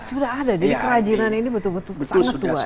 sudah ada jadi kerajinan ini betul betul sangat tua